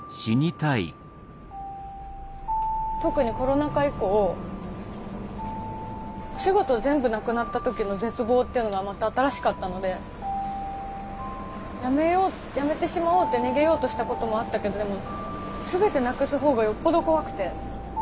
特にコロナ禍以降お仕事全部なくなった時の絶望っていうのがまた新しかったのでやめようやめてしまおうって逃げようとしたこともあったけどでも全てなくす方がよっぽど怖くて。